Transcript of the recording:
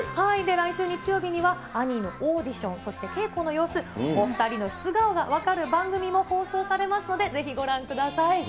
来週日曜日にはアニーのオーディション、そして稽古の様子、お２人の素顔が分かる番組も放送されますので、ぜひご覧ください。